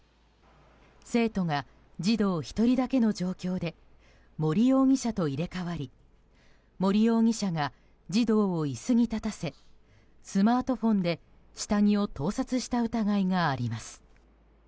生徒が児童１人だけの状況で森容疑者と入れ替わり森容疑者が児童を椅子に立たせスマートフォンで下着を盗撮した疑いがあります。